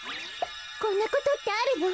こんなことってあるの？